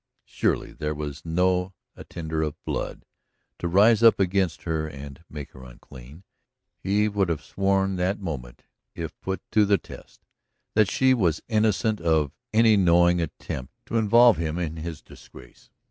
Surely there was no attainder of blood to rise up against her and make her unclean; he would have sworn that moment, if put to the test, that she was innocent of any knowing attempt to involve him to his disgrace.